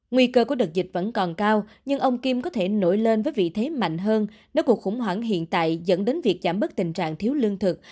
nguy cơ của đợt dịch vẫn còn cao nhưng ông kim có thể nổi lên với vị thế mạnh hơn nếu cuộc khủng hoảng hiện tại dẫn đến việc giảm bớt tình trạng thiếu lương thực